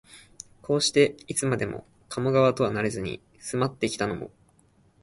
こうして、いつも加茂川とはなれずに住まってきたのも、